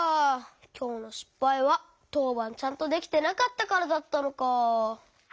きょうのしっぱいはとうばんちゃんとできてなかったからだったのか。